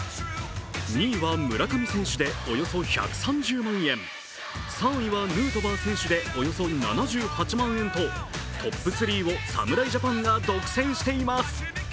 ２位は村上選手で、およそ１３０万円、３位はヌートバー選手でおよそ７８万円とトップ３を侍ジャパンが独占しています。